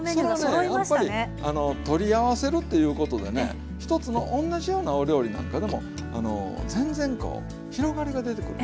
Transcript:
やっぱりあの取り合わせるっていうことでね一つの同じようなお料理なんかでも全然こう広がりが出てくる。